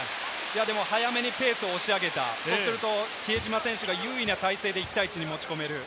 早めにペースを押し上げた、比江島選手が優位な体勢で１対１に持ち込める。